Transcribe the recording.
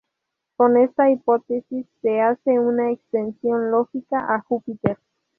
Con esta hipótesis, se hace una extensión lógica a Júpiter.